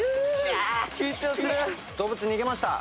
動物逃げました。